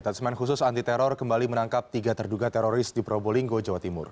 tansmen khusus anti teror kembali menangkap tiga terduga teroris di probolinggo jawa timur